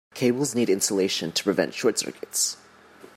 Cables need insulation to prevent short circuits.